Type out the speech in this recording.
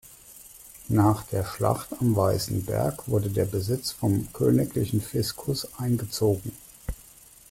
Nach der Schlacht am Weißen Berg wurde der Besitz vom königlichen Fiskus eingezogen.